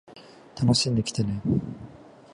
楽しんできてね